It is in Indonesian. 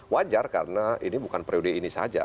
wajar karena ini bukan periode ini saja